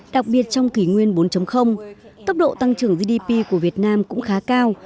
đặc biệt trong kỷ nguyên bốn tốc độ tăng trưởng gdp của việt nam cũng khá cao